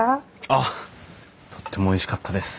あっとってもおいしかったです。